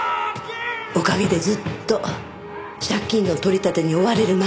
おかげでずっと借金の取り立てに追われる毎日。